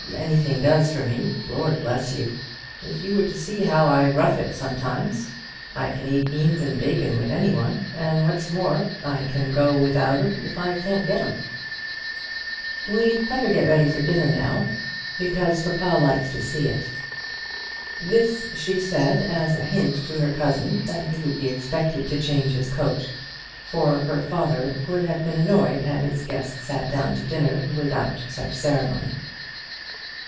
Anything does for me. Lord bless you! if you were to see how I rough it sometimes! I can eat beans and bacon with any one; and what's more, I can go without 'em if I can't get 'em." "We'd better get ready for dinner now. I always dress, because papa likes to see it." This she said as a hint to her cousin that he would be expected to change his coat, for her father would have been annoyed had his guest sat down to dinner without such ceremony.